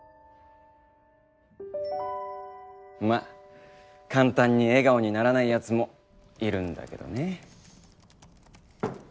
まあ簡単に笑顔にならない奴もいるんだけどね。